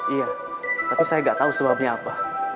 iya tapi saya gak tahu sebabnya